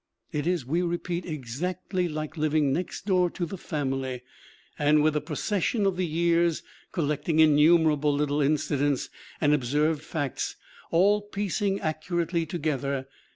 It is, we repeat, exactly like living next door to the family and, with the procession of the years, collecting innumerable little incidents and observed facts all piec ing accurately together.